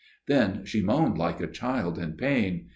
" Then she moaned like a child in pain.